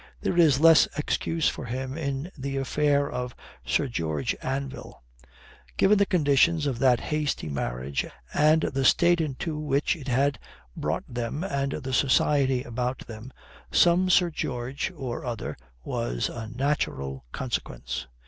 There is less excuse for him in the affair of Sir George Anville. Given the conditions of that hasty marriage and the state into which it had brought them and the society about them, some Sir George or other was a natural consequence.